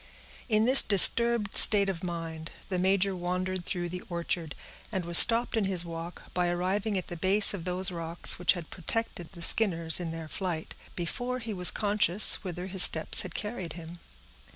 In this disturbed state of mind, the major wandered through the orchard, and was stopped in his walk by arriving at the base of those rocks which had protected the Skinners in their flight, before he was conscious whither his steps had carried him.